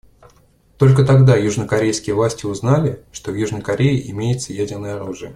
Только тогда южнокорейские власти узнали, что в Южной Корее имеется ядерное оружие.